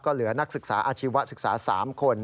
เหลือนักศึกษาอาชีวศึกษา๓คน